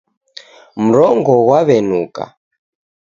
Mrongo ghwaw'enuka